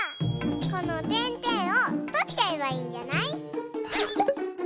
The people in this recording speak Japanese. このてんてんをとっちゃえばいいんじゃない？